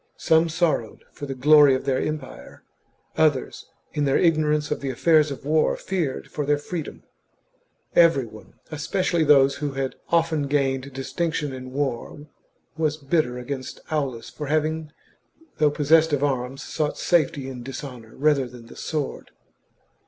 Some sorrowed for the glory of their empire, others, in their ignorance of the affairs of war, feared for their freedom. Every one, and especially those who had often gained dis tinction in war, was bitter against Aulus for having, though possessed of arms, sought safety in dishonour rather than the sword.